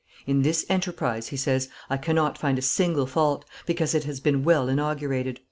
"In this enterprise," he says, "I cannot find a single fault, because it has been well inaugurated."